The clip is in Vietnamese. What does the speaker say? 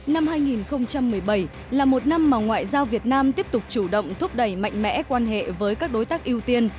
năm hai nghìn một mươi bảy là một năm mà ngoại giao việt nam tiếp tục chủ động thúc đẩy mạnh mẽ quan hệ với các đối tác ưu tiên